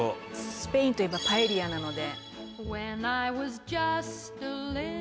「スペインといえばパエリアなので」